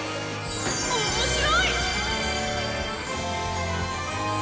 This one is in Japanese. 面白い！